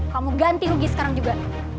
kamu ganti rugi sekarang juga